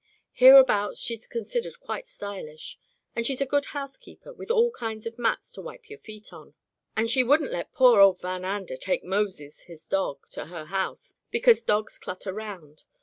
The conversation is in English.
Here abouts she's considered quite stylish. And she's a good housekeeper, with all kinds of mats to wipe your feet on; and she wouldn't let poor old Van Ander take Moses, his dog, to her house, because dogs clutter 'round.